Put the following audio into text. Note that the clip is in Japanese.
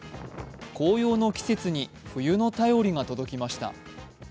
紅葉の季節に冬の便りが届きました。